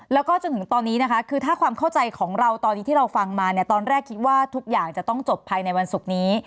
แล้วก็จนถึงตอนนี้นะคะคือถ้าความเข้าใจของเราตอนนี้ที่เราฟังมาเนี่ยตอนแรกคิดว่าทุกอย่างจะต้องจบภายในวันศุกร์นี้